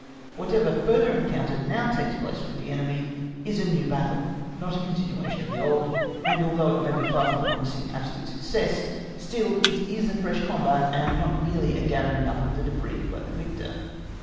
Whatever further encounter now takes place with the enemy is a new battle not a continuation of the old, and although it may be far from promising absolute success, still it is a fresh combat, and not merely a gathering up of the débris by the victor.